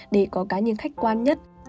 để có cá nhân khách quan nhất